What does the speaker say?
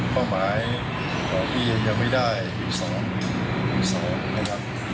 เป้าหมายที่ยังไม่ได้๑๒๑๒นะครับ